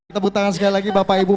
tepuk tangan sekali lagi bapak ibu